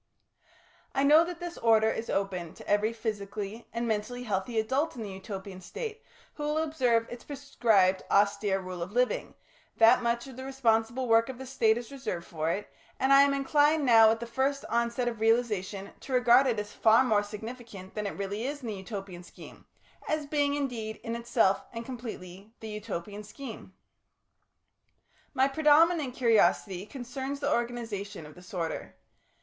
I know that this order is open to every physically and mentally healthy adult in the Utopian State who will observe its prescribed austere rule of living, that much of the responsible work of the State is reserved for it, and I am inclined now at the first onset of realisation to regard it as far more significant than it really is in the Utopian scheme, as being, indeed, in itself and completely the Utopian scheme. My predominant curiosity concerns the organisation of this order.